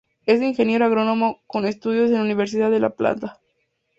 Es ingeniero agrónomo con estudios en la Universidad de La Plata.